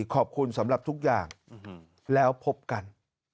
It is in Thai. ขอบคุณสำหรับทุกอย่างแล้วพบกัน